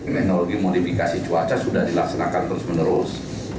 teknologi modifikasi cuaca sudah dilaksanakan terus menerus